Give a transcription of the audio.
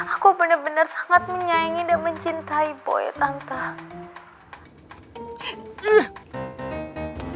aku bener bener sangat menyayangi dan mencintai boy tante